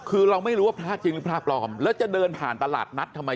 คือเราไม่รู้ว่าพระจริงหรือพระปลอมแล้วจะเดินผ่านตลาดนัดทำไม